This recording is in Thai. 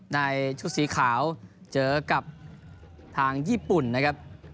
ในชุดสีขาวเจอกับทางญี่ปุ่นนะครับ